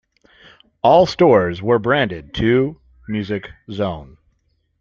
All stores were branded to 'Music Zone'.